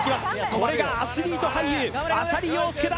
これがアスリート俳優浅利陽介だ！